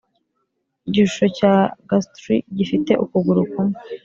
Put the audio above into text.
igishusho cya ghastly gifite ukuguru kumwe